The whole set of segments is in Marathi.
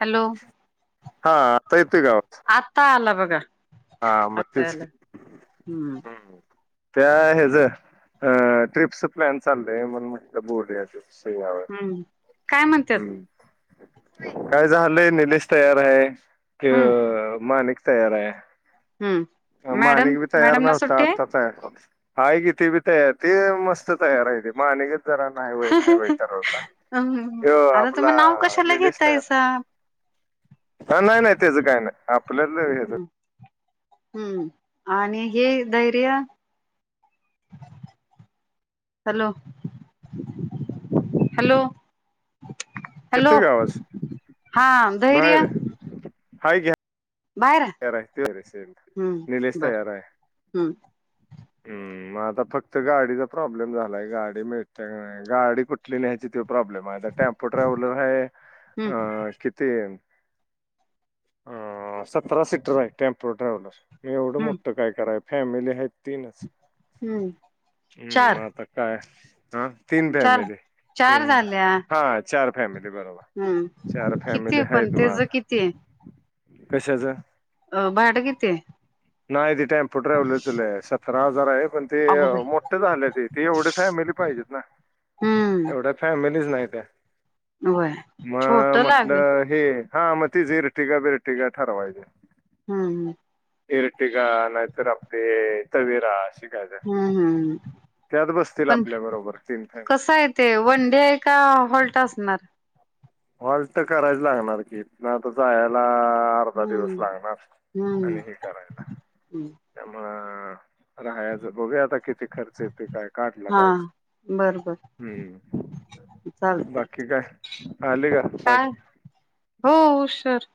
हॅलो हा आता येतोय का आवाज आता आला बघा, हा मग आता तेच आला की हुं हम्म त्या हेज अ ट्रिपस प्लॅन चाललंय म्हणून म्हणलं बोलूया ह्या वेळी हम्म काय म्हणतात हू काय झालंय निलेश तयार हाय त्यो हम्म माणिक तयार हाय. हम्म मॅडम माणिक बी तयार मॅडम ना नव्हता सुट्टी आहे आता तयार झालाय हाय की ती बी तयार ती मस्त तयार हायती माणिकच जरा न्हाय वय न्हाय वय करालता हम्म त्यो अरे आपला तुम्ही नाव कशाला निलेश तयार हाय. घेतायसा ह नाही नाही त्याच काही नाही आपल्यातल हेच हुं आणि हे धैर्य हॅलो हॅलो हॅलो येतोय का आवाज हा धैर्य बाहेर हाय घ्या बाहेर आहे. करायचं विषय एकदा हम्म निलेश बर तयार हाय. हम्म हुं मग आता फक्त गाडीचा प्रॉब्लेम झालाय गाडी मिळत्या का नाय गाडी कुठली न्यायची त्या प्रॉब्लेम आहे आता टॅम्पो ट्रॅव्हलर हम्म हाय किती ह सतरा सीटर हाय टेम्पो ट्रॅव्हलर एवढं हम्म मोठं काय कराय फॅमिली आहेत तीनच हम्म हुं चार मग आता काय ह तीन चार फॅमिली ते चार झाल्या हा चार फॅमिली बरोबर हम्म चार फॅमिली किती पण आहेत म तेच आता किती आहे? कशाच अ भाडं कितीय? नाही ते टेम्पो ट्रॅव्हलरच लई हाय सतरा हजार आहे पण ते अगो बाई मोठे झाल ते ते एवढी फॅमिली पाहिजेत ना हम्म एवढ्या फॅमिलीच नाहीत होय छोट मग लागल म्हटलं हे हा मग ती झिरटी का बिर तेि काय ठरवायची हुं हुं इरटीका नायतर आपली तवेरा अशी काय काय हुं हुं हू त्यात बसतील पण आपल्या बरोबर तीन फॅमिली कसं आहे ते वन डे आहे का हॉल्ट असणार? हॉल्ट तर करायच लागणार की हितन आता जायाला अर्धा दिवस हम्म लागणार हम्म आणि हे करायला हम्म त्यामुळं ह राहायचं बघूया आता किती खर्च येतो ते काय काढला हा पाहिजे. बर बर हुं चालतय बाकी काय आले का बाय काय हो उशर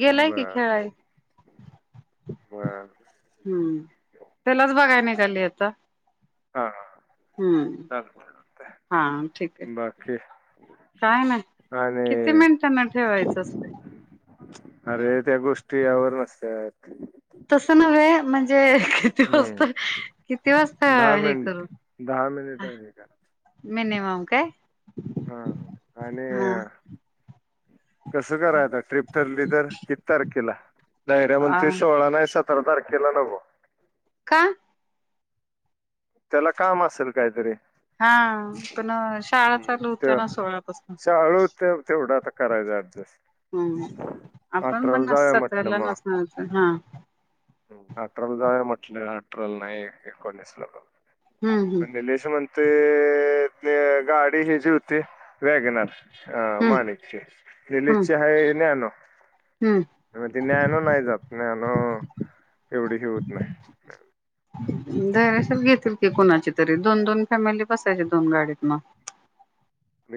गेलाय की बर खेळायला बर हुं त्यालाच बघाय निघाली आता हा हा हुं हा ठीक हाय बाकी काय नाय आणि किती मिनिटांन ठेवायचं असतंय? अरे त्या गोष्टी यावर नसत्यात. तसं नव्हे म्हणजे किती वाजता, हम्म किती वाजता दहा हे मिनिट करू? दहा मिनिट आहे का [unintelligible] काय? हा आणि हा. कसं कराय आता ट्रीप ठरली तर कीती तारखेला? [unintelligible] आ, म्हणतयं सोळा नाही स तरा तारखेला नगो का? त्याला काम असेल काहीतरी. हा पण शाळा हम्म. चालू होत्या त्या ना सोळापासून शाळू ते तेवढा आता करायचं ऍडजस्ट हम्म, आपण पण अठराला नस जाऊया सतरा ला नसणार हा. हम्म अठराल जाऊया म्हटलं, अठराला नाही एकोणीस ला हम्म हम्म पण गणेश म्हणतयं ते गाडी हेजी हुती वॅगनर. अ हम्म मानिकची, निलेश हम्म ची हाय नॅनो. म ती नॅनो नाही जात, नॅनो एवढी हे होत नाही धैर्यशील घेतील की, कुणाची तरी दोन-दोन फॅमिली बसायची दोन गाडीत म.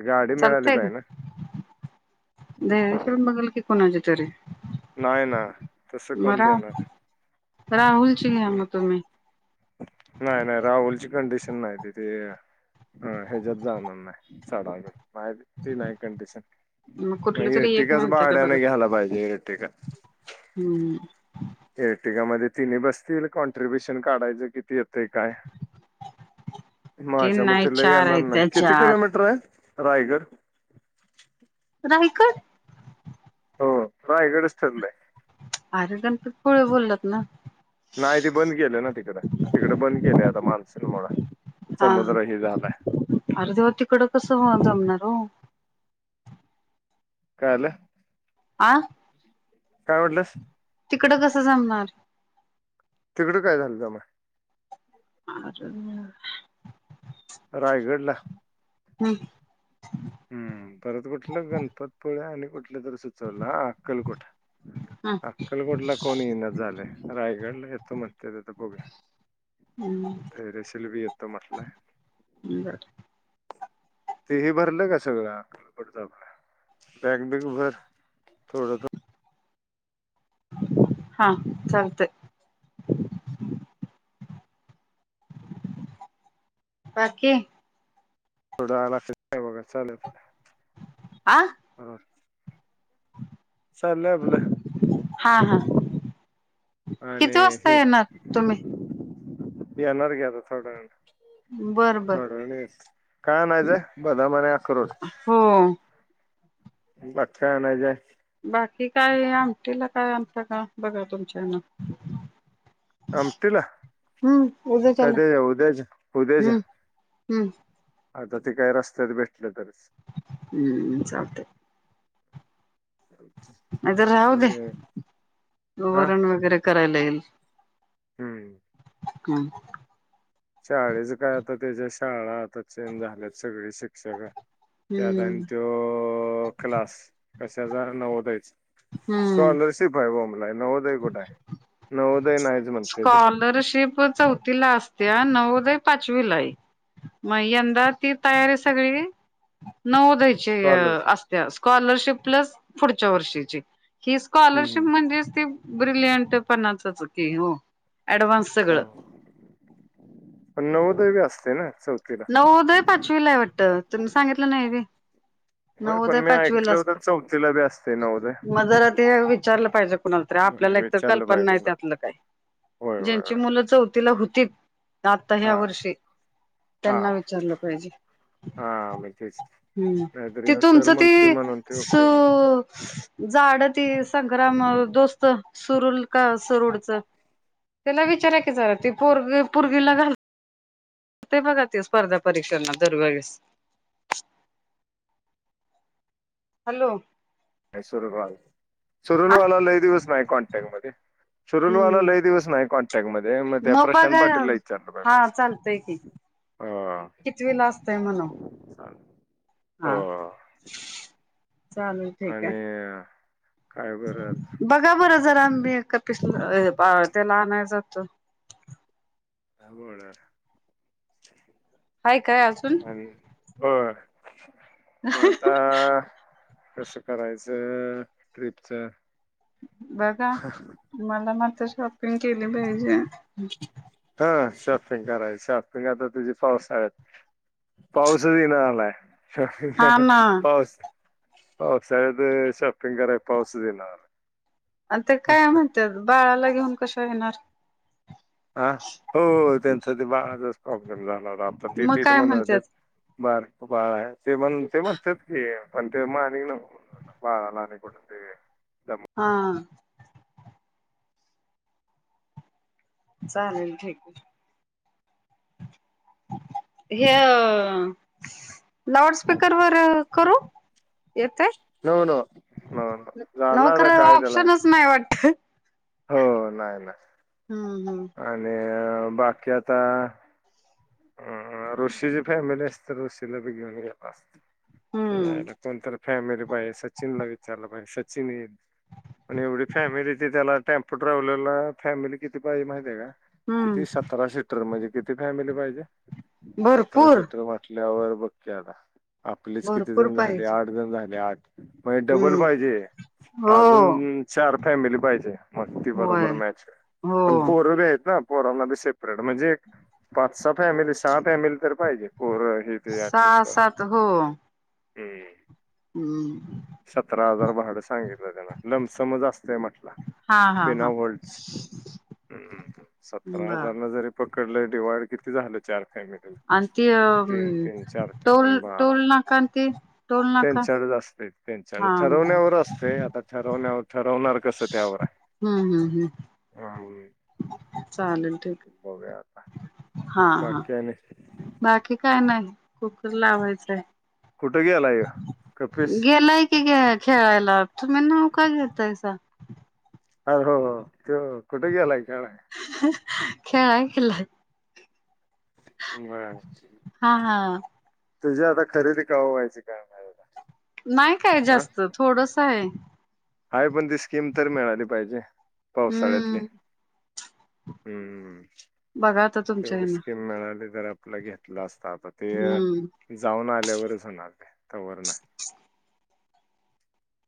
गाडी मिळाली पाहि ना. धैर्यशील बघल की कोणाच तरीे. नाही ना, तसं कोण देणार? राहुलची अ घ्या मग तुम्ही नाही नाही, राहुलची कंडिश नाइ तिथे अ हेज्यात जाणार नाही [unintelligible] माझी ती नाही कंडिशन मग कुठली तरी एक इरटीकाच म्हणत का भाड्यान बघा घ्यायला पाहिजे, इरटीका. हम्म. इरटीगा मध्ये तेन्ही बसतील कॉन्ट्रिब्युशन काढायचं, किती येत ते काय ते नाही माझ्यामते लई चार येणार आहेत नाय, त्या किती चार किलोमीटर हाय? रायगड. रायगड? हो, रायगडच ठरलयं. अरे गणपतपुळे बोललात ना? नाही ते बंद केलं ना तिकडं, तिकडं बंद केलंय आता मान्सून मुळ. समुद्र हे झालाय जाउ तिकडं कस [unintelligible] कायलं? आ? काय म्हटलंस? तिकडं कसं जमणार? तिकडं काय झालं जमायं? आर रायगडला. हम्म. हम्म. परत कुठलं गणपतपुळे आणि ल तर सुचवलं आ आक्कलकोट, हम्म आक्कलकोट ला कोण इनाच झालंय. रायगडला येतो म्हणत्यात आता बघुया हम्म धैर्यशील भी येतो म्हटलाय. बर ते हे भरलं का सगळं [unintelligible] बॅग बीग भर थोडं त हा चालतयं. बाकी. थोडा आला क बघा चालेल बर. आ चालोंयआपल. हा हा किती वाजता येणार तुम्ही? येणार आता थोड्या वेळान, बर बर थोड्या वेळान यायचं. काय अणायचं? बदाम आणि आक्रोड. हो बाकी काय अनायचायं? बाकी काय आमटीला काय आनतासा बघा तुमच्या हेन? आमटीला हम्म. उद्या चाला. कधीच्या उद्याच्या उद्याच्या हम्म. हम्म. आता ते काय रस्त्यात भेटल तर. हम्म. चालतयं. नाही तर राहु बाकी दे. हा वरण वगैरे करायला येईल. हम्म. हं. शाळेच काय आता त्याच्या शाळा आता चेंज झाल्यात सगळे शिक्षक त्यात आणि हम्म तो क्लास कशाचा? नवोदयचा. हम्म स्कॉलरशीप हाय [unintelligible] नाहीच म्हणते ते स्कॉलरशिप चौथीला अस - - त्या नवोदय पाचवीला हाय. मग यंदा ती तयारी सगळी - - नवोद्यायचे स्कॉलरशिप असत्या स्कॉलरशिप प्लस पुढच्या वर्षीची. ही हम्म स्कॉलरशिप म्हणजेच ती ब्रिलियंट पणाचच की हो. ऍडव्हान्स ह सगळं पण नव्वदय असतयं ना. चौथीला नवदय पाचवीला हाय वाटत. तेन सांगितलं नाही व्हयं. होय पण नव्वदय मी ऐकलं पाचवीलाचं होतं चौथीला बी असते नवोदय मग जरा ते विचारलं पाहिजे. कुणाला तरी होय, आपल्याला एक तर विचारलं कल्पना नाही बायकोला त्यातलं काय होय होय ज्यांची होय मुलं चौथीला हुतीत - - आता ह्या हा वर्षी हा त्यांना विचारलं पाहिजे. हा मग तेच हम् ते नाहीतरी सर तुमचं ते म्हणतोय म्हणून ते स उपयोग नाही - - झाड त संग्राम दोस्त सुरुल का सुरुडच. त्याला विचाराकी जरा ते पोरग पोरगीला घालतयं बघा. स्पर्धा परीक्षांना दर वेळेस. हॅलो. [unintelligible] सुरुलवाला लय दिवस नाही कॉन्टॅक्ट मध्ये सुरुलवाला हम्म लय दिवस नाही कॉन्टॅक् - - टक मध्ये मग ते प्रशांत पाटीलला विचारलं बा हा चालतय की प्रशांत. हो कितवीला असतय म्हणावं. चालेल हा. हो चालेल ठीक आणि आहे काय बर? बघा बरं जरा मीप तेला आणायच तो. ह बड. हय काय अजून? होय मग आता कस करायचं ट्रिपच? बघा मला मात्र शॉपिंग केली पाहिजे. हा. शॉपिंग कराय. शॉप त आता तुझी पाऊसाळ्यात. पाऊसचं ईना हा झालायं. [unintelligible] ना पावसाळ्यात शॉपिंग करायं पाऊसच ईना. आ ते काय म्हणतात? बाळाला घेऊन कश येणार? हा हो त्यांचा बाळाचाच प्रॉब्लेम झाला. हो आता मग तिथीच काय म्हणततेे. म्हणतात बारक बाळ हाय ते पण ते म्हणत्यात कि पण ते मानिक नको बाला अ नाहीकठते हा चालेल ठीक आहे हे लाउड स्पीकर वर करू येते नको नको नको झालं आता नोकऱ काय त्याला ऑप्शनच नाही वाटत हो नाही नाही हम्म हम् अ बाकीि आता ह ऋषीची फॅमिली असते ऋषीला बी घेऊन गेल असतला हम्म कोणतरी फॅमिली पाहिजे सचिनला विचारलं पाहिजे सचिन ये पण एवढी फॅमिली ती त्याला टेम्पो ट्रॅव्हलरला फॅमिली किती पाहिजे माहितीय का हम्म किती सतरा सीटर म्हणजे किती फॅमिली पाहिजे सतरा भरपूर सीट म्हटल्यावर बघकी आता आपलेच किती भरपूर जण झाले पाहिजे आठ जण झाले आठ मण डबल हम्म पाहिजे हो अजून चार फॅमिली पाहिजे मस्ती होय बरोबर मॅच हो पण पोरवे आहेत ना पोरांना सेपरेट म्हणजे एक पाच सहा फॅमिली सहा फॅमिली तर पाहिजे परं हे ते यास सहा का सात हो हम् हम्म सतरा हजार भाडं सांगितलं त्यांना लमसमच असतय म्हटलं हा हा हा ह सतरा बर हजारला जरी पकडलं डिवाइड किती झालं चार तीन आणि ती तीन चार टोल टिकून बारा टोल नाका आणि ते टोल त्यां नाका चारच असते त्यांच्या हा हा ठरवण्यावर असते आता ठरवण्यावर ठरवणार कसं त्यावर हम्म हम्म हम् हम्म. बघूया आता हा हा बाकी आणि बाकी काय नाही कुकुला होयचे कुठं घेलाय गेलाय की खेळायला तुम्ही नाव का घेतायस अर हो हो तो कुठे गेलाय का खेळाय खल्लाय ब हा हा तुझी आता खरेदी क व्हायची काय म्या नाही काय जास्त थोडस आहे हाय पण ती स्कीम तर मिळाली पाहिजे पावसाळ्यात हम्म हम्म बघा आता तुमच्या तेवढी हेन स्कीिम मिळाली तर आपला घेतला असत आता हम्म ते जाऊन आल्यावरच होणार ते तवर नाही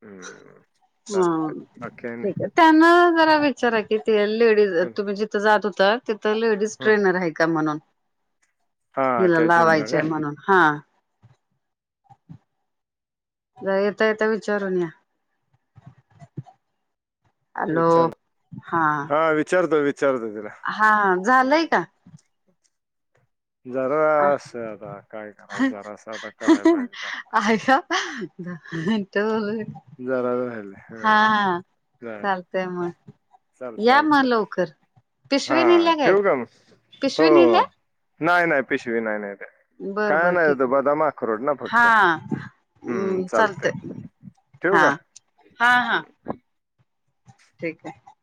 हम्म हा चालते ठीक त्यांना जरा विचारा कि ते लेडीज चल तुम्ही जिथं जात होता तर लेडीज हम्म ट्रेनर आहे का म्हणून हा हिला त्या जिमला लावायचंय काय म्हणून हा येता येत विचारून या हॅलो विचार हा विचारतो विचारतो तिला हा झालंय का अ जरास आता काय करायचं जरास आता कराय पाहिजे त्याला आहे का ो जरा ज आहे हा हा चालतय मग चालतंय या मग चालतंय लवकर हा पिशवी नेल्या काय ठेव का म हो पिशवी नेल्या नाही नाही पिशवी नाही नाही ते बरं काय बरं नाही ठीक तो आहे बदामाख रोड ना फडत हा हम्म चालतेय चालतंय ठेव हा हा हा का ठीक आहे